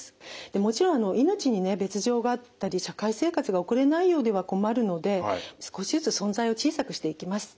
もちろん命に別状があったり社会生活が送れないようでは困るので少しずつ存在を小さくしていきます。